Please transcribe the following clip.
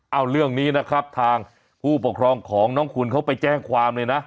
เอาเรื่องนี้นะครับทางผู้ปกครองของน้องคุณเขาไปแจ้งความเลยนะ